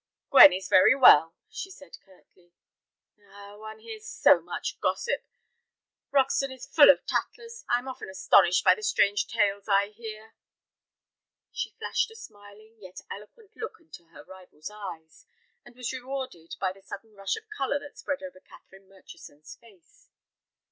"Gwen is very well," she said, curtly. "Ah, one hears so much gossip. Roxton is full of tattlers. I am often astonished by the strange tales I hear." She flashed a smiling yet eloquent look into her rival's eyes, and was rewarded by the sudden rush of color that spread over Catherine Murchison's face.